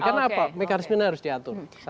karena apa mekanisme ini harus diatur